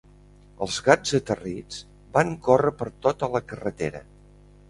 Els gats aterrits van córrer per tota la carretera.